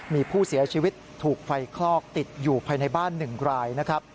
มีผู้เสียชีวิตถูกไฟคลอกติดอยู่ภายในบ้าน๑รายนะครับ